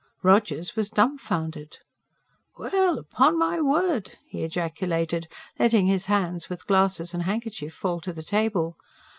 Rogers was dumbfounded. "Well, upon my word!" he ejaculated, letting his hands with glasses and handkerchief fall to the table.